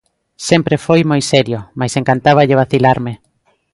Sempre foi moi serio, mais encantáballe vacilarme.